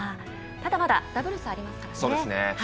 ただ、まだ、ダブルスがありますからね。